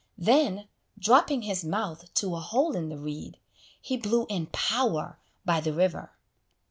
Then, dropping his mouth to a hole in the reed, He blew in power by the river.